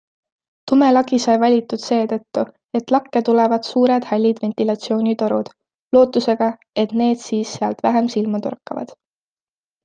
Tume lagi sai valitud seetõttu, et lakke tulevad suured hallid ventilatsioonitorud - lootusega, et need siis sealt vähem silma torkavad.